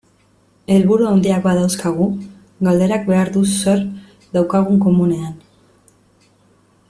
Helburu handiak badauzkagu, galderak behar du zer daukagun komunean.